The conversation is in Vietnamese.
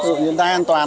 dù người ta an toàn